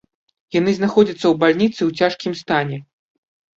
Яны знаходзяцца ў бальніцы у цяжкім стане.